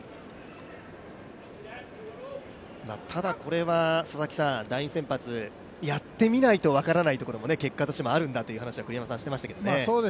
ただ、これは第２先発、やってみないと分からないということも結果としてもあるんだという話は、栗山監督もしていましたけどね。